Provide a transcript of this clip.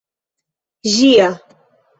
ĝia